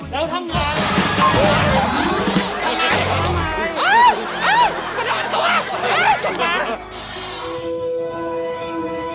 แล้วทำไม